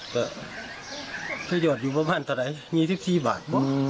ภาษาได้ยอดอยู่ประมาณเท่าไหร่มี๑๔บาท